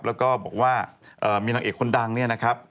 แล้วก็บอกว่ามีนางเอกคนดังเนี่ยนะครับ